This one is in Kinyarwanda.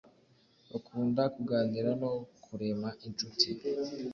bakunda kuganira no kurema inshuti